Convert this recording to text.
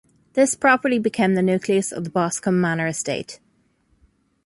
This property became the nucleus of the Boscombe Manor Estate.